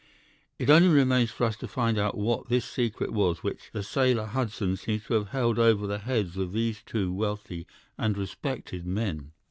'It only remains for us to find out what this secret was which the sailor Hudson seems to have held over the heads of these two wealthy and respected men.